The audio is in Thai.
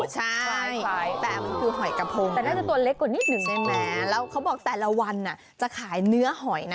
ใช่ไหมแล้วเขาบอกแต่ละวันจะขายเนื้อหอยนะ